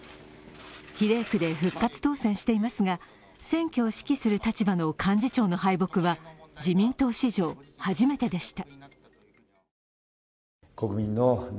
比例区で復活当選していますが、選挙を指揮する立場の幹事長の敗北は自民党史上初めてでした。